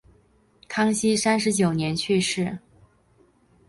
康熙三十九年去世。